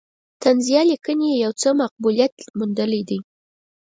طنزیه لیکنې یې یو څه مقبولیت موندلی دی.